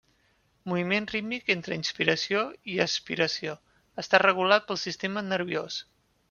Moviment rítmic entre inspiració i espiració, està regulat pel sistema nerviós.